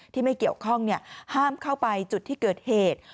ที่ไม่เกี่ยวข้องห้ามเข้าไปจุดที่เกิดเหตุ